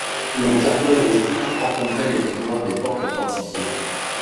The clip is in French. Les carrioles rustiques encombraient les couloirs des portes fortifiées.